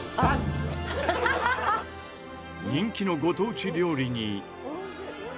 人気のご当地料理に。